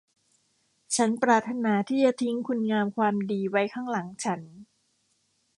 ฉันปรารถนาที่จะทิ้งคุณงามความดีไว้ข้างหลังฉัน